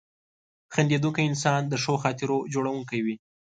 • خندېدونکی انسان د ښو خاطرو جوړونکی وي.